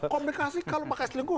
komunikasi kalau pakai selingkuh